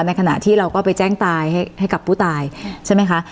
ในขณะที่เราก็ไปแจ้งตายให้กับผู้ตายใช่ไหมคะ